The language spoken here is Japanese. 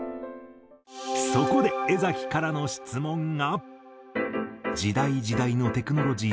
そこで江からの質問が。